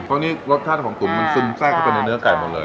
เพราะนี่รสชาติของตุ๋นมันซึมแทรกเข้าไปในเนื้อไก่หมดเลย